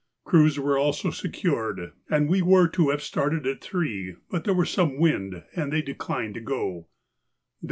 Crews were also secured, and we were to have started at three, but there was some wind and they declined to go.